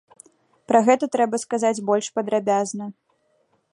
Пра гэта трэба сказаць больш падрабязна.